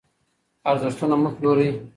ارزښتونه مه پلورئ.